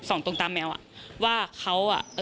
ส่องตรงตามแมวว่าเขา